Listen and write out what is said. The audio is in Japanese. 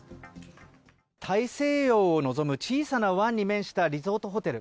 大西洋を望む小さな湾に面したリゾートホテル。